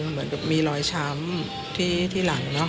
เหมือนกับมีรอยช้ำที่หลังเนอะ